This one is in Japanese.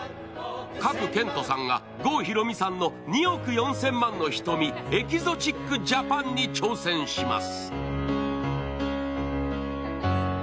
賀来賢人さんが郷ひろみさんの「２億４千万の瞳−エキゾチック・ジャパン−」に挑戦します。